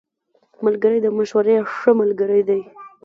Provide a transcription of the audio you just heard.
ملګری د مشورې ښه ملګری دی